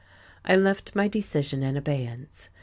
I left my decision in abeyance.